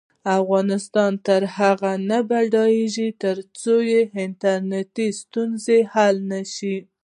افغانستان تر هغو نه ابادیږي، ترڅو د ټرانزیت ستونزې حل نشي.